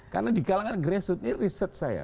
karena di kalangan grassroot ini research saya